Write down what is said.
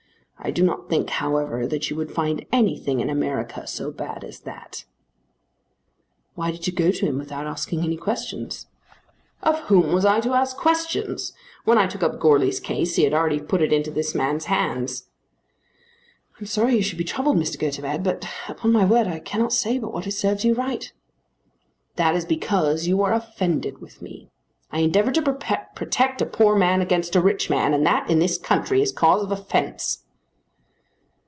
I do not think, however, that you would find anything in America so bad as that." "Why did you go to him without asking any questions?" "Of whom was I to ask questions? When I took up Goarly's case he had already put it into this man's hands." "I am sorry you should be troubled, Mr. Gotobed; but, upon my word, I cannot say but what it serves you right." "That is because you are offended with me. I endeavoured to protect a poor man against a rich man, and that in this country is cause of offence."